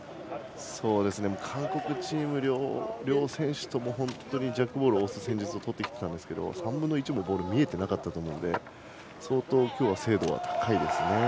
韓国チーム、両選手ともジャックボールを押す戦術をとってきてたんですけど３分の１もボールは見えていなかったと思うので相当今日、精度が高いです。